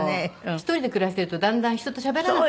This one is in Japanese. １人で暮らしてるとだんだん人としゃべらなく。